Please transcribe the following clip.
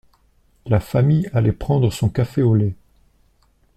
La famille allait prendre son café au lait.